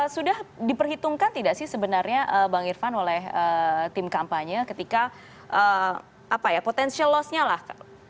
sudah diperhitungkan tidak sih sebenarnya bang irfan oleh tim kampanye ketika potensial loss nya lah